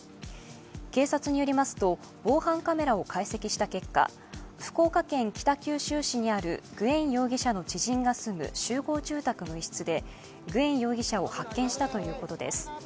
警察によりますと防犯カメラを解析した結果福岡県北九州市にあるグエン容疑者の知人が住む集合住宅の一室で、グエン容疑者を発見したということです。